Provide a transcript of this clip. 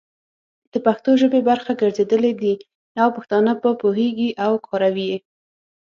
د پښتو ژبې برخه ګرځېدلي دي او پښتانه په پوهيږي او کاروي يې،